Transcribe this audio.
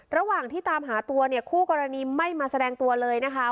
ระหว่างที่ตามหาตัวเนี่ยคู่กรณีไม่มาแสดงตัวเลยนะคะ